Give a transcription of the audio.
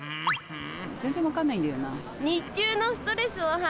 全然分かんないんだよな。